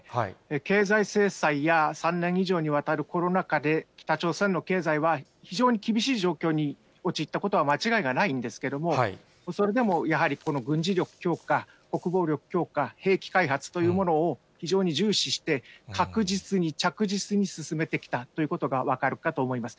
経済制裁や３年以上にわたるコロナ禍で、北朝鮮の経済は非常に厳しい状況に陥ったことは間違いがないんですけれども、それでもやはりこの軍事力強化、国防力強化、兵器開発というものを非常に重視して、確実に、着実に進めてきたということが分かるかと思います。